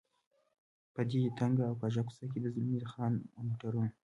په دې تنګه او کږه کوڅه کې د زلمی خان او موټرونه.